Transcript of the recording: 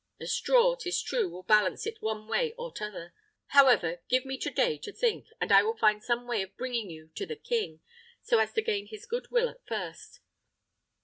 A straw, 'tis true, will balance it one way or t'other. However, give me to day to think, and I will find some way of bringing you to the king, so as to gain his good will at first.